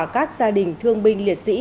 các gia đình thương binh liệt sĩ